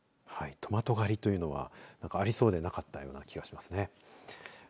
トマト狩りというのはありそうでなかったような気がしますね。